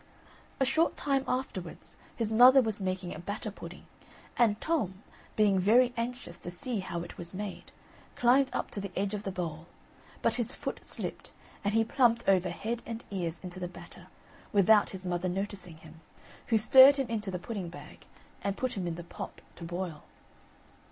A short time afterwards his mother was making a batter pudding, and Tom, being very anxious to see how it was made, climbed up to the edge of the bowl; but his foot slipped, and he plumped over head and ears into the batter, without his mother noticing him, who stirred him into the pudding bag, and put him in the pot to boil.